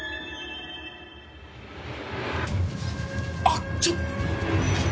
あっちょっ！